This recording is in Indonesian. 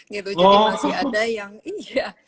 jadi masih ada yang iya